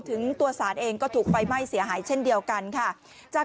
ถึงตัวศาลเองก็ถูกไฟไหม้เสียหายเช่นเดียวกันค่ะจาก